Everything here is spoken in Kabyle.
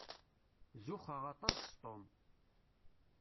Zuxxeɣ aṭas s Tom.